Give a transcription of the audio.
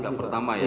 yang pertama ya